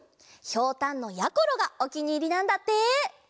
ひょうたんのやころがおきにいりなんだって。